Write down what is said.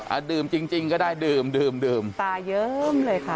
อ่าดื่มจริงก็ได้ดื่มดื่มตาเยิ้มเลยค่ะ